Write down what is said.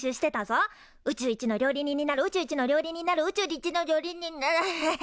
宇宙一の料理人になる宇宙一の料理人になる宇宙りちの料理人になアハハハ。